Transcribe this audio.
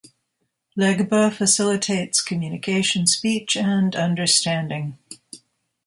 Legba facilitates communication, speech, and understanding.